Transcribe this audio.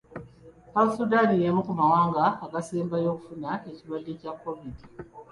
South Sudan y'emu ku mawanga agaasembayo okufuna ekirwadde kya Kovidi.